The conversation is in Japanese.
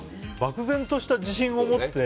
漠然とした自信を持って。